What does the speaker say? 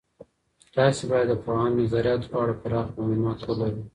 تاسې باید د پوهاند نظریاتو په اړه پراخ معلومات ولرئ.